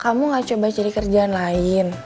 kamu gak coba cari kerjaan lain